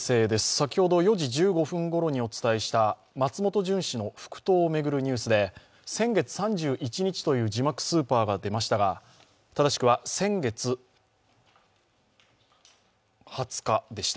先ほど４時１５分ごろにお伝えした松本純氏の復党を巡るニュースで先月３１日という字幕スーパーが出ましたが正しくは先月２０日でした。